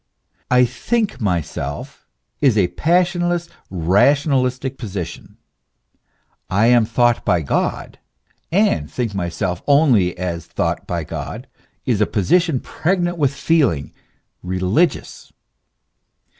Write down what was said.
I think myself is a passionless, rationalistic position ; I am thought by God, and think myself only as thought by God is a position pregnant with feeling, religious.